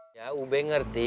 ya ube ngerti